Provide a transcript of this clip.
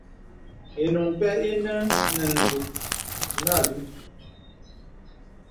Ìnùŋ pɛ̂ inə nə nzùk nə alūū.